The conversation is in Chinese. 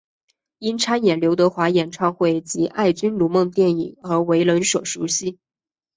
因参演刘德华演唱会及爱君如梦电影而为人所熟悉。